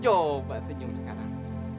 coba senyum sekarang